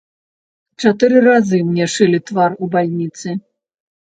Чатыры разы мне шылі твар у бальніцы.